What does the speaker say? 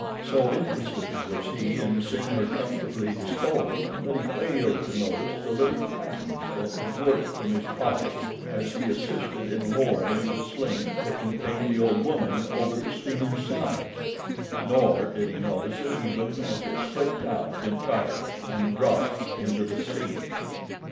So interested was he in seeing her comfortably disposed that he failed to notice the little package that had worked from his pocket as he assisted in lowering the sling that contained the old woman over the steamer's side, nor did he notice it even as it slipped out entirely and dropped into the sea.